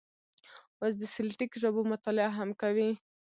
اوس د سلټیک ژبو مطالعه هم کوي.